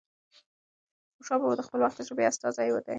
خوشال بابا د خپل وخت د ژبې استازی دی.